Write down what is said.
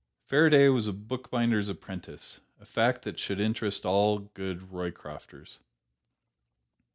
Faraday was a bookbinder's apprentice, a fact that should interest all good Roycrofters.